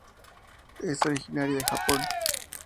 Es originaria de Japón.